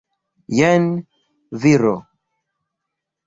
Jen viro!